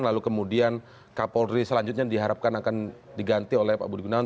lalu kemudian kapolri selanjutnya diharapkan akan diganti oleh pak budi gunawan